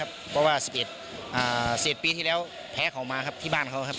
เพราะว่า๑๑ปีที่แล้วแพ้เขามาครับที่บ้านเขาครับ